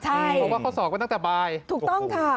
ใช่เพราะว่าเขาสอบไปตั้งแต่บ่ายโอ้โฮถูกต้องค่ะ